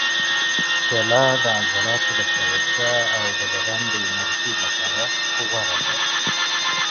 کیله د عضلاتو د پیاوړتیا او د بدن د انرژۍ لپاره غوره ده.